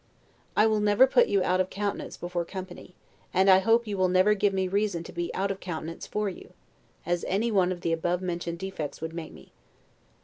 I will never put you out of countenance before company; and I hope you will never give me reason to be out of countenance for you, as any one of the above mentioned defects would make me.